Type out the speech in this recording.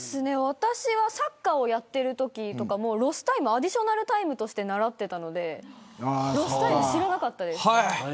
私はサッカーをやっているときもロスタイムをアディショナルタイムとして習っていたのでロスタイム知らなかったです。